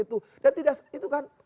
itu kan di bangka belitung kan pertanyaan